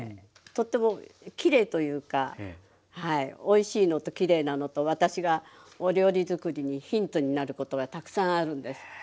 とってもきれいというかおいしいのときれいなのと私がお料理作りにヒントになることがたくさんあるんです。